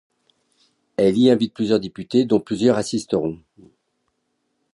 Elle y invite plusieurs députés dont plusieurs assiteront.